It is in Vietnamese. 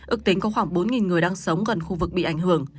ước tính có khoảng bốn người đang sống gần khu vực bị ảnh hưởng